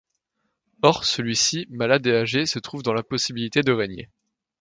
Or, celui-ci, malade et âgé, se trouve dans l'impossibilité de régner.